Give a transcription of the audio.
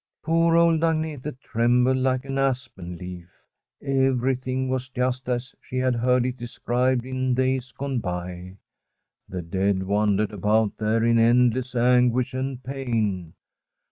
Poor old Agnete trembled like an aspen leaf. Everything was just as she had heard it described in days gone by. The dead wandered about there in endless anguish and pain.